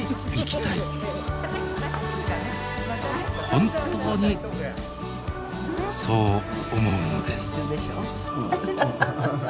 本当にそう思うのです。